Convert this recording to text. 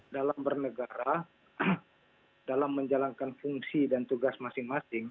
dalam bernegara dalam menjalankan fungsi dan tugas masing masing